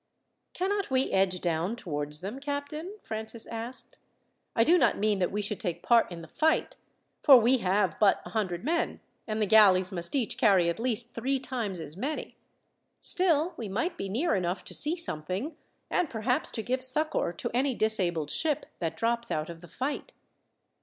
"Cannot we edge down towards them, captain?" Francis asked. "I do not mean that we should take part in the fight, for we have but a hundred men, and the galleys must each carry at least three times as many. Still, we might be near enough to see something, and perhaps to give succour to any disabled ship that drops out of the fight."